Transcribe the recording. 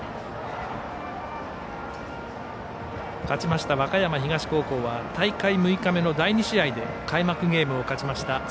勝ちました和歌山東高校は大会６日目の第２試合で開幕ゲームを勝ちました